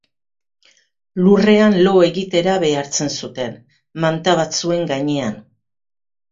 Lurrean lo egitera behartzen zuten, manta batzuen gainean.